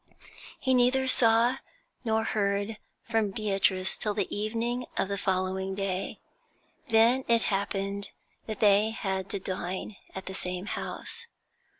He neither saw nor heard from Beatrice till the evening of the following day. Then it happened that they had to dine at the same house.